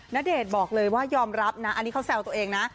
ณเดชน์บอกเลยว่ายอมรับนะอันนี้เขาแซวตัวเองนะ